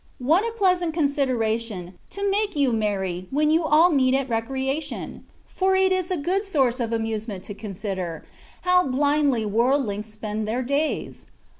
What a pleasant con sideration^ to make you merry^ when you all meet at recreation ! for it is a good source of amuse ment to consider^ how blindly worldlings spend their days.